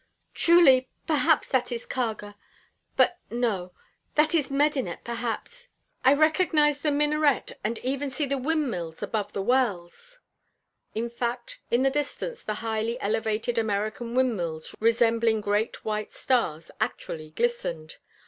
"Truly Perhaps that is Kharga But no! That is Medinet perhaps I recognize the minaret and even see the windmills above the wells " In fact, in the distance the highly elevated American windmills resembling great white stars, actually glistened.